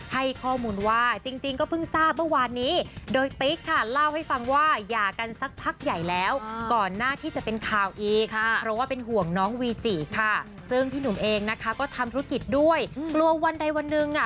ให้ข้อมูลว่าจริงก็เพิ่งทราบเมื่อวานนี้